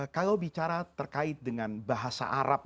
kalau bicara terkait dengan bahasa arab